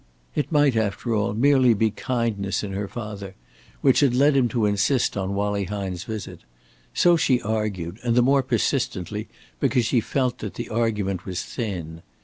It might, after all, merely be kindness in her father which had led him to insist on Wallie Hine's visit. So she argued, and the more persistently because she felt that the argument was thin.